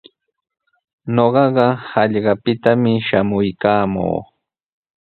Ñuqaqa hallqapitami shamuykaamuu.